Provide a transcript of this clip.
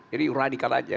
jadi radikal aja